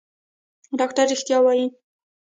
ډاکتر رښتيا وايي.